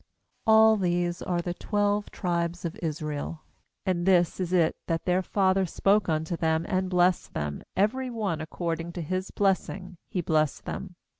28A11 these are the twelve tribes of Israel, and this is it that their father spoke unto them and blessed them; I every one according to his blessing he blessed them.